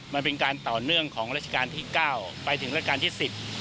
มันเป็นการต่อเนื่องของราชการที่๙ไปถึงราชการที่๑๐